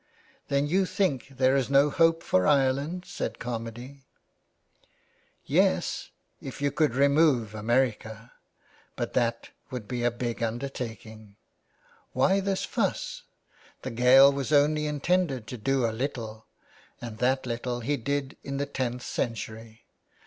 " Then you think there is no hope for Ireland," said Carmady. 417 2D THE WAY BACK. " Yes, if you could remove America. But that would be a big undertaking. Why this fuss ? The Gael was only intended to do a little, and that little he did in the tenth century.